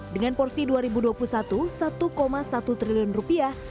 dengan porsi dua ribu dua puluh satu satu triliun rupiah